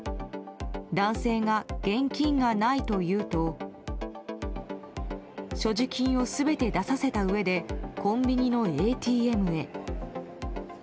男性が現金がないと言うと所持金を全て出させたうえでコンビニのＡＴＭへ。